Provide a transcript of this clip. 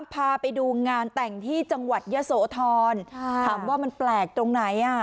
พาไปดูงานแต่งที่จังหวัดยะโสธรถามว่ามันแปลกตรงไหนอ่ะ